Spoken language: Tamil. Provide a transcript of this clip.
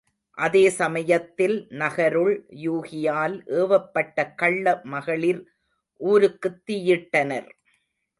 அதே சமயத்தில் நகருள் யூகியால் ஏவப்பட்ட கள்ள மகளிர் ஊருக்குத் தீயிட்டனர்.